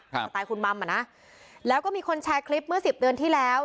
สไตล์คุณมัมอ่ะนะแล้วก็มีคนแชร์คลิปเมื่อสิบเดือนที่แล้ว